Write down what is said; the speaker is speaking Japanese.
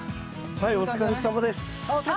あっお疲れさまです。